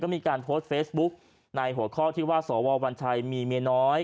มีการโพสต์เฟซบุ๊กในหัวข้อที่ว่าสววัญชัยมีเมียน้อย